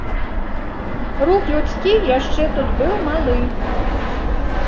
Рух людскі яшчэ тут быў малы.